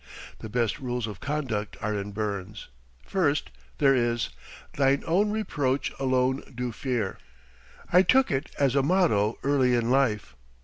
The best rules of conduct are in Burns. First there is: "Thine own reproach alone do fear." I took it as a motto early in life.